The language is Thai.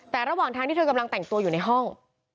แต่ระหว่างทางที่เธอกำลังแต่งตัวอยู่ในห้อง